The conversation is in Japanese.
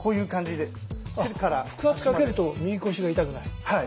腹圧かけると右腰が痛くない。